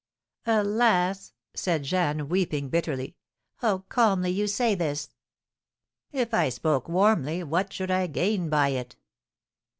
"Alas!" said Jeanne, weeping bitterly; "how calmly you say this!" "If I spoke warmly what should I gain by it?